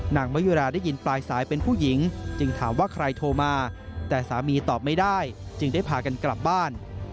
นางมะยุราได้ยินปลายสายเป็นผู้หญิงจึงถามว่าใครโทรมาแต่สามีตอบไม่ได้จึงได้พากันกลับบ้าน